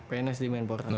pns di mainport